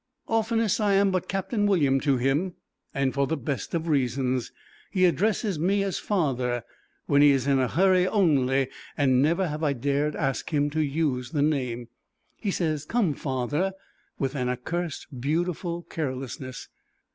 Oftenest I am but Captain W to him, and for the best of reasons. He addresses me as father when he is in a hurry only, and never have I dared ask him to use the name. He says, "Come, father," with an accursed beautiful carelessness.